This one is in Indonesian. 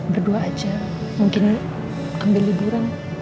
berdua aja mungkin ambil liburan